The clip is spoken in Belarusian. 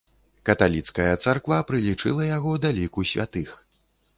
Каталіцкая царква прылічыла яго да ліку святых.